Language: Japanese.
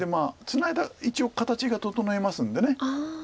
ツナいだ一応形が整いますので。